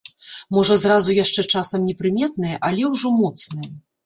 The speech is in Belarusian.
Можа зразу яшчэ часам непрыметнае, але ўжо моцнае.